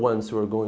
ông ấy là ba tuổi